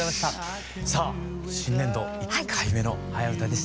さあ新年度１回目の「はやウタ」でした。